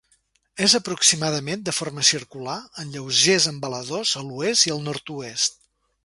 És aproximadament de forma circular, amb lleugers embaladors a l'oest i nord-oest.